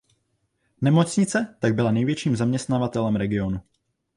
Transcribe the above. Nemocnice tak byla největším zaměstnavatelem v regionu.